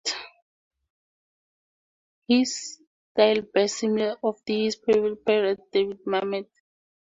His style bears similarity to one of his favorite playwrights, David Mamet.